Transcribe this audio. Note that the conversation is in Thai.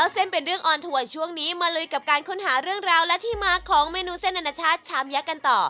เส้นเป็นเรื่องออนทัวร์ช่วงนี้มาลุยกับการค้นหาเรื่องราวและที่มาของเมนูเส้นอนาชาติชามยักษ์กันต่อ